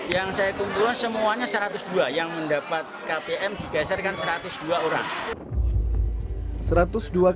yang saya kumpulkan semuanya satu ratus dua yang mendapat kpm digeserkan satu ratus dua orang